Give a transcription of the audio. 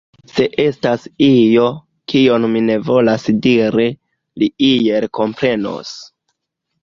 Se estas io, kion mi ne volas diri, li iel komprenos.